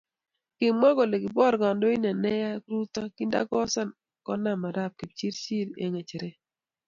Kimwa kole kibor kandoindet neya Ruto kindakosan konam Arap Kipchirchir eng ngecheret